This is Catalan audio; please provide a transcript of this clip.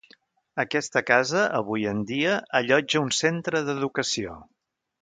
Aquesta casa avui en dia allotja un centre d'educació.